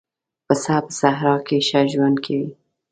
پسه په صحرا کې ښه ژوند کوي.